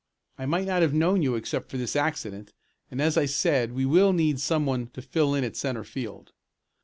I might not have known you except for this accident, and as I said we will need some one to fill in at centre field.